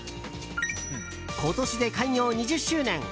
今年で開業２０周年。